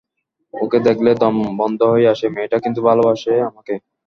ওকে দেখলেই দম বন্ধ হয়ে আসে, মেয়েটা কিন্তু ভালোবাসে আমাকে!